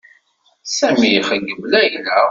Sami ixeyyeb Layla.